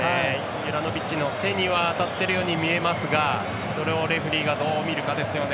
ユラノビッチの手には当たっているように見えますがそれをレフェリーがどう見るかですよね。